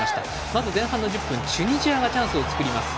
まず前半の１０分チュニジアがチャンスを作ります。